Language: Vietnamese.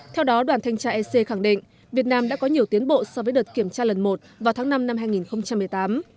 theo đó đoàn thanh tra ec khẳng định việt nam đã có nhiều tiến bộ so với đợt kiểm tra lần một vào tháng năm năm hai nghìn một mươi tám